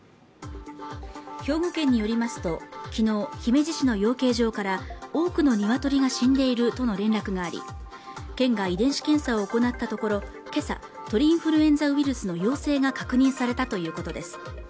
兵庫県によりますと、きのう、姫路市の養鶏場から多くの鶏が死んでいるとの連絡があり、県が遺伝子検査を行ったところ、今朝、鳥インフルエンザウイルスの陽性が確認されたということです。